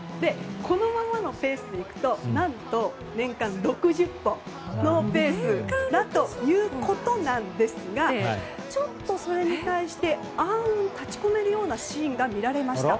このままのペースでいくと何と年間６０本のペースだということですがちょっとそれに対して暗雲立ち込めるようなシーンが見られました。